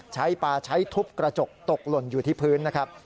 ใช้ปลาใช้ทุบกระจกตกหล่นอยู่ที่พื้นนะครับ